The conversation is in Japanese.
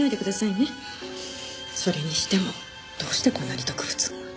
それにしてもどうしてこんなに毒物が。